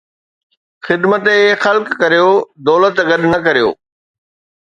خدمت خلق ڪريو، دولت گڏ نه ڪريو